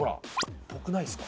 っぽくないっすか？